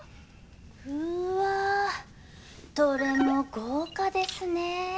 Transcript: うわどれも豪華ですね。